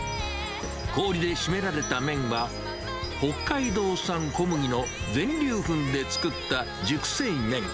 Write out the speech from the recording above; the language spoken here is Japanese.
氷でしめられた麺は、北海道産小麦の全粒粉で作った熟成麺。